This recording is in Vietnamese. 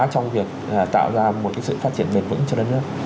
trong việc tạo ra một cái sự phát triển mềm vững cho đất nước